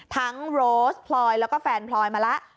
ทั้งโรสพลอยและแฟนพลอยมาแล้ว